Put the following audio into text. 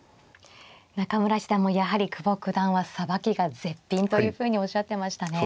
中村七段もやはり久保九段はさばきが絶品というふうにおっしゃってましたね。